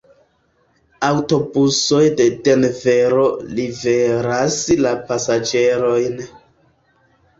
Aŭtobusoj de Denvero liveras la pasaĝerojn.